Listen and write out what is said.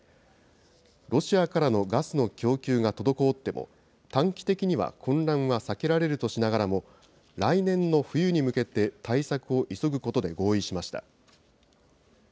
ロシアからのガスの供給が滞っても、短期的には混乱は避けられるとしながらも、来年の冬に向けて、対策を急ぐことで合意しました。